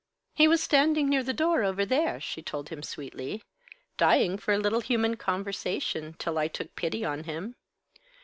"He was standing near the door, over there," she told him, sweetly, "dying for a little human conversation, till I took pity on him.